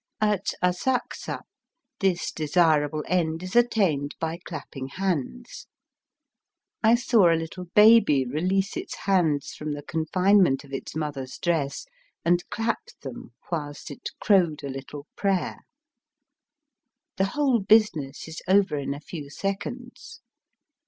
At Asakusa this desirable end is attained by clapping hands. I saw a little baby release its Digitized by VjOOQIC 212 EAST BY WEST. hands from the confinement of its mother's dress and clap them whilst it crowed a little prayer. The whole business is over in a few seconds.